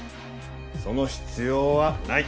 その必要はない。